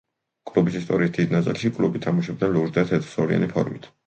კლუბის ისტორიის დიდ ნაწილში კლუბი თამაშობდა ლურჯ და თეთრ ზოლიანი ფორმით.